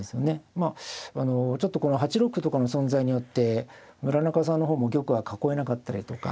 まあちょっとこの８六歩とかの存在によって村中さんの方も玉は囲えなかったりとか。